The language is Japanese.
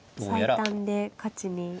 最短で勝ちに。